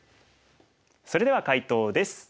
それでは解答です。